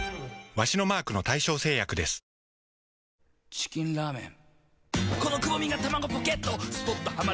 チキンラーメン。